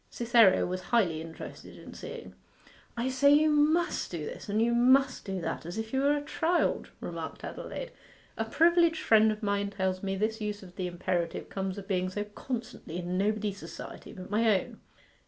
Cytherea was highly interested in seeing. 'I say you must do this, and you must do that, as if you were a child,' remarked Adelaide. 'A privileged friend of mine tells me this use of the imperative comes of being so constantly in nobody's society but my own.